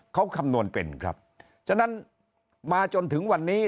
เขาคำนวณเป็นครับฉะนั้นมาจนถึงวันนี้